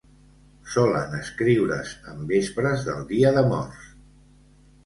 Solen escriure's en vespres del Dia de Morts.